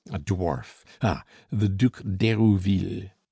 a dwarf. Ah, the Duc d'Herouville.